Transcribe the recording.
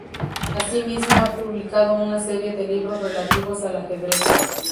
Asimismo, ha publico una serie de libros relativos al ajedrez.